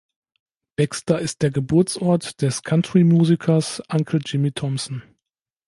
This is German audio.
Baxter ist der Geburtsort des Country-Musikers Uncle Jimmy Thompson.